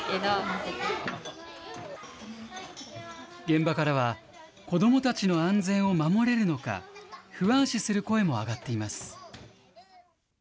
現場からは、子どもたちの安全を守れるのか、不安視する声も上がっています。